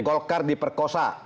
golkar di perkosa